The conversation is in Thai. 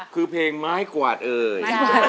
คือเพลงไม้กวาดเอ่ย